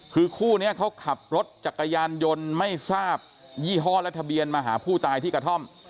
คือคู่นี้เขาขับรถจักรยานยนต์ไม่ทราบยี่ห้อและทะเบียนมาหาผู้ตายที่กระท่อม